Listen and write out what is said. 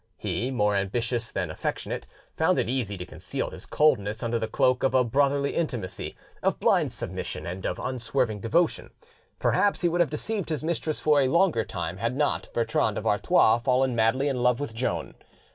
He, more ambitious than affectionate, found it easy to conceal his coldness under the cloak of a brotherly intimacy, of blind submission, and of unswerving devotion; perhaps he would have deceived his mistress for a longer time had not Bertrand of Artois fallen madly in love with Joan.